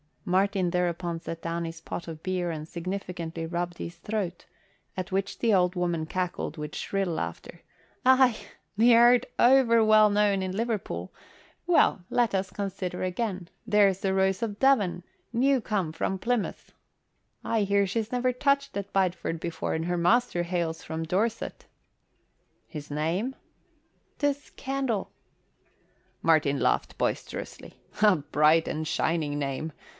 Martin thereupon set down his pot of beer and significantly rubbed his throat, at which the old woman cackled with shrill laughter. "Aye, th' art o'er well known in Liverpool. Well, let us consider again. There's the Rose of Devon, new come from Plymouth. I hear she's never touched at Bideford before and her master hails from Dorset." "His name?" "'Tis Candle." Martin laughed boisterously. "A bright and shining name!